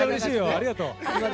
ありがとう。